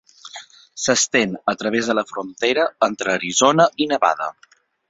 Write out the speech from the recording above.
S'estén a través de la frontera entre Arizona i Nevada.